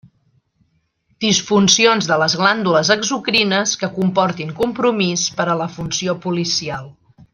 Disfuncions de les glàndules exocrines que comportin compromís per a la funció policial.